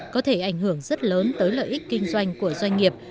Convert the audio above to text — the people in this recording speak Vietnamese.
có thể ảnh hưởng rất lớn tới lợi ích kinh doanh của doanh nghiệp